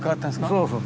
そうそう。